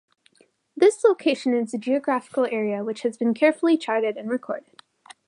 This location is a geographical area which has been carefully charted and recorded.